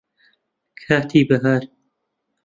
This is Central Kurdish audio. کاتی بەهار